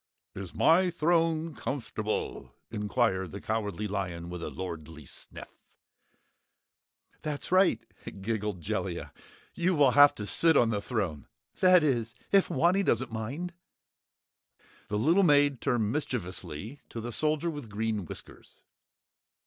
"Is my throne comfortable?" inquired the Cowardly Lion with a lordly sniff. "That's right," giggled Jellia, "you will have to sit on the throne that is, if Wanny doesn't mind?" The little maid turned mischievously to the Soldier with Green Whiskers.